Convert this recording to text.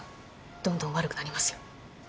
どんどん悪くなりますよ。